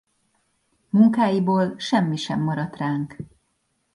Munkáiból semmi sem maradt ránk.